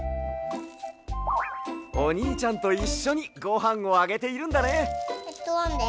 おにいちゃんといっしょにごはんをあげているんだね。